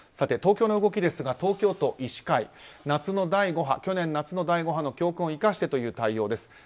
東京の動きですが、東京都医師会去年夏の第５波の教訓を生かしてという対応です。